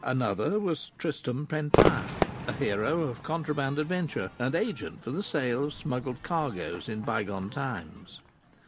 Another was Tristam Pentire, a hero of contraband adventure, and agent for sale of smuggled cargoes in bygone times.